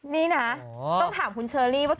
นี่นะต้องถามคุณเชอรี่ว่า